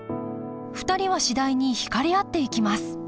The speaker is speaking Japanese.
２人は次第に引かれ合っていきます